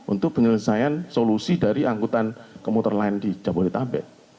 untuk penyelesaian solusi dari angkutan kemuter lain di jabodetabek